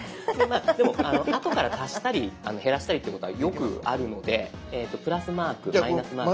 でもあとから足したり減らしたりっていうことはよくあるのでプラスマークマイナスマーク。